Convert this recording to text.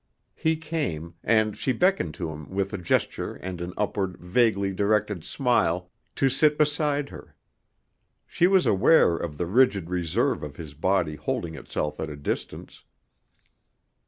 He came, and she beckoned to him with a gesture and an upward, vaguely directed smile, to sit beside her. She was aware of the rigid reserve of his body holding itself at a distance.